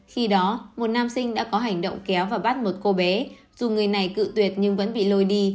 khi đó một nam sinh đã có hành động kéo và bắt một cô bé dù người này cựu tuyệt nhưng vẫn bị lôi đi